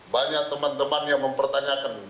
banyak teman teman yang mempertanyakan